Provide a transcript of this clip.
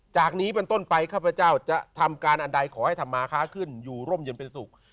จากนี้เป็นต้นไปข้าพเจ้าจะทำการอันใดขอให้ธรรมาค้าขึ้นอยู่ร่มเย็นเป็นสุข